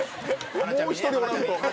もう１人おらんと。